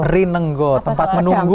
rinengo tempat menunggu